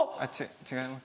違います。